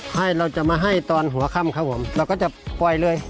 ให้เราจะมาให้ตอนหัวค่ำครับผมเราก็จะปล่อยเลย